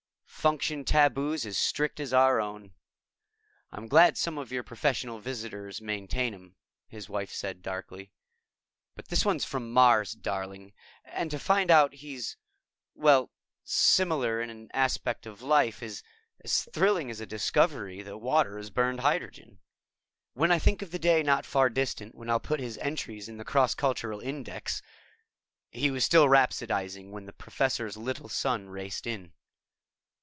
Function taboos as strict as our own!" "I'm glad some of your professional visitors maintain 'em," his wife said darkly. "But this one's from Mars, darling, and to find out he's well, similar in an aspect of his life is as thrilling as the discovery that water is burned hydrogen. When I think of the day not far distant when I'll put his entries in the cross cultural index ..." He was still rhapsodizing when the Professor's Little Son raced in.